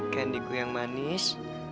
candiku yang manis